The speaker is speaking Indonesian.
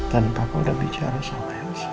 dan papa udah bicara sama elsa